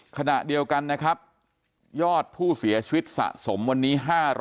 ขณะเดียวกันนะครับยอดผู้เสียชีวิตสะสมวันนี้๕๐๐